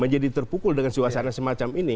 menjadi terpukul dengan suasana semacam ini